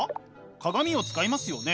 鏡を使いますよね。